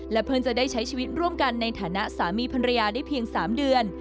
เพิ่งจะได้ใช้ชีวิตร่วมกันในฐานะสามีภรรยาได้เพียง๓เดือน